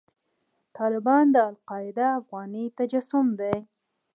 طالبان د القاعده افغاني تجسم دی.